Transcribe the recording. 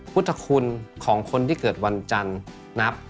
พุทธคุณของคนที่เกิดวันจันทร์นับ